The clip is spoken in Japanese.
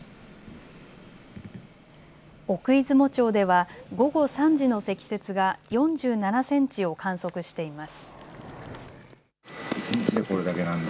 奥出雲町では午後３時の積雪が４７センチを観測しています。